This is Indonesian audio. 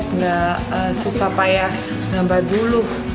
tidak susah payah mengambah dulu